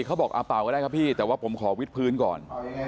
เขาบอกเป่าก็ได้ครับพี่แต่ว่าผมขอวิทย์พื้นก่อน